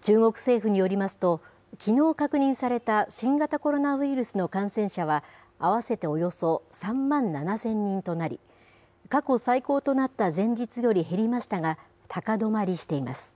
中国政府によりますと、きのう確認された新型コロナウイルスの感染者は、合わせておよそ３万７０００人となり、過去最高となった前日より減りましたが、高止まりしています。